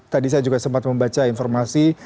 tadi saya juga sempat membaca informasi